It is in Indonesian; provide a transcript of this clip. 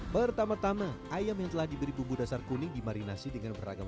pertama tama ayam yang telah diberi bumbu dasar kuning dimarinasi dengan beragam